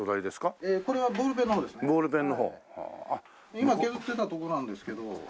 今削ってたとこなんですけど。